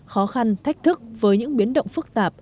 khó khăn thách thức với những biến động phức tạp